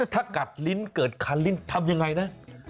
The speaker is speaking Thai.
ถ้ากัดลิ้นเกิดคันลิ้นทำยังไงนะ